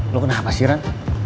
lo kenapa sih ran